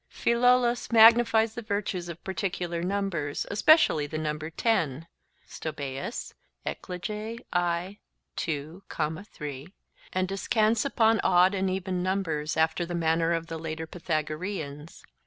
Philolaus magnifies the virtues of particular numbers, especially of the number 10 (Stob. Eclog.), and descants upon odd and even numbers, after the manner of the later Pythagoreans.